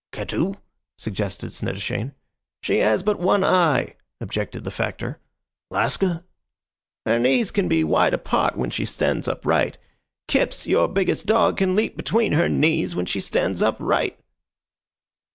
"Kattou?" suggested Snettishane. "She has but one eye," objected the Factor. "Laska?" "Her knees be wide apart when she stands upright. Kips, your biggest dog, can leap between her knees when she stands upright."